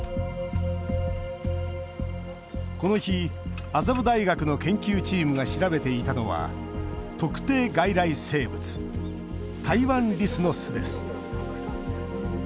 この日、麻布大学の研究チームが調べていたのは特定外来生物タイワンリスの巣です。